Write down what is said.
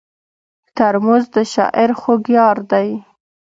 ترموز د شاعر خوږ یار دی.